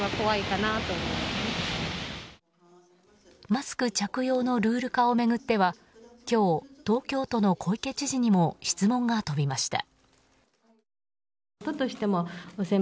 マスク着用のルール化を巡っては今日、東京都の小池知事にも質問が飛びました。